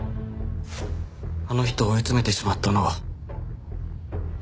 あの人を追い詰めてしまったのは僕なんです。